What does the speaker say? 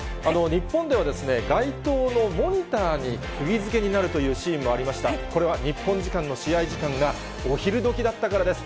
日本では街頭のモニターにくぎづけになるというシーンもありましたけど、これは日本時間の試合時間がお昼どきだったからです。